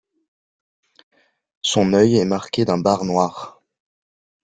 Son œil est marqué d'un barre noire.